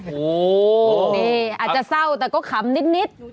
โอ้โหนี่อาจจะเศร้าแต่ก็ขำนิด